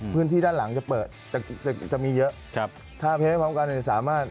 พื้นที่ด้านหลังจะเปิดจะมีเยอะถ้าเพจไม่พร้อมกันจะสามารถ